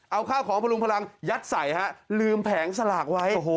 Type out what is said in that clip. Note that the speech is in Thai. เอาข้าวของพลุงพลังยัดใส่ฮะลืมแผงสลากไว้